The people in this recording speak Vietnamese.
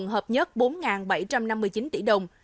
hợp nhất bốn bảy trăm năm mươi chín tỷ đồng